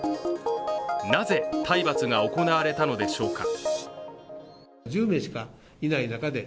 なぜ、体罰が行われたのでしょうか。